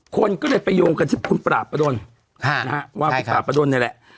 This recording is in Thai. คนก็เลยไปโยงกันที่คุณปราบประดนว่าคุณปราบประดนนี่แหละ